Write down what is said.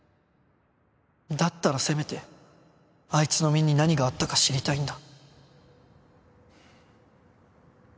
だったらせめてあいつの身に何があったか知りたいんだ